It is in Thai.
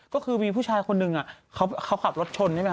ก็คือมีผู้ชายคนหนึ่งเขาขับรถชนใช่ไหมค